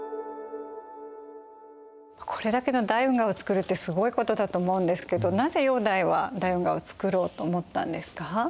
これだけの大運河をつくるってすごいことだと思うんですけどなぜ煬帝は大運河をつくろうと思ったんですか？